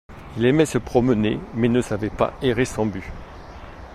Il aimait se promener, mais ne savait pas errer sans but.